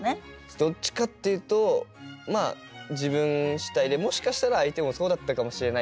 どっちかっていうと自分主体でもしかしたら相手もそうだったかもしれない。